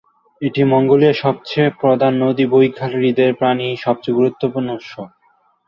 এটি মঙ্গোলিয়ার সবচেয়ে প্রধান নদী বৈকাল হ্রদের পানির সবচেয়ে গুরুত্বপূর্ণ উৎস।